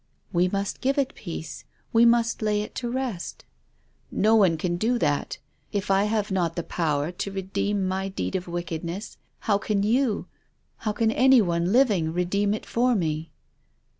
" We must give it peace. We must lay it to rest." " No one can do that. If I have not the power to redeem my deed of wickedness, how can you, how can any one living redeem it for me?